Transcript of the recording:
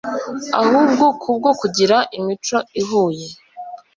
ahubwo kubwo kugira imico ihuye,